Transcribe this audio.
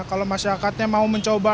kalau masyarakatnya mau mencobanya